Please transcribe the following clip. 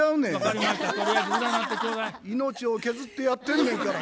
命を削ってやってんねんから。